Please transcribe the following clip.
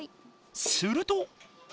すると。